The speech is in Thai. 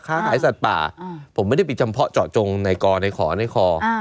ขายสัตว์ป่าผมไม่ได้ไปจำเพาะเจาะจงในกอในขอในคอ